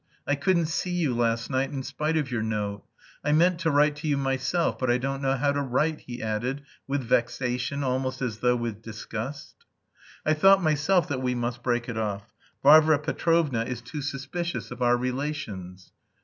I couldn't see you last night, in spite of your note. I meant to write to you myself, but I don't know how to write," he added with vexation, almost as though with disgust. "I thought myself that we must break it off. Varvara Petrovna is too suspicious of our relations."